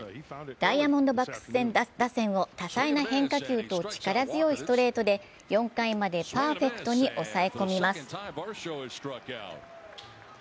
ダイヤモンドバックス打線を多彩な変化球と力強いストレートで４回までパーフェクトに抑え込みます。